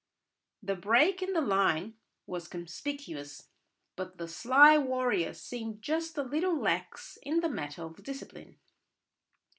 The break in the line was conspicuous; but the sly warrior seemed just a little lax in the matter of discipline.